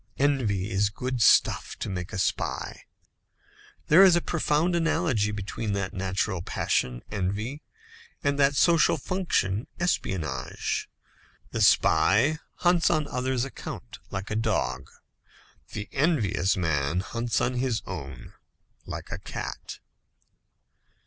Envy is good stuff to make a spy. There is a profound analogy between that natural passion, envy, and that social function, espionage. The spy hunts on others' account, like the dog. The envious man hunts on his own, like the cat.